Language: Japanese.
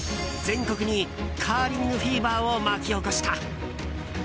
全国にカーリングフィーバーを巻き起こした。